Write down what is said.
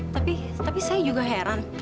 tapi saya juga heran